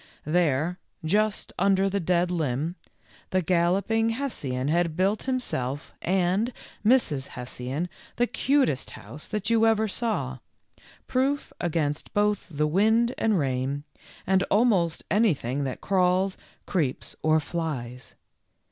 There, just under the dead limb, the Gallop ing Hessian had built himself and Mrs. Hessian the cutest house that you ever saw, proof against both the wind and rain, and almost anything that crawls, creeps, or flies.